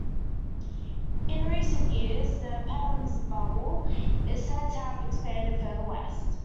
In recent years, the "Penn bubble" is said to have expanded further west.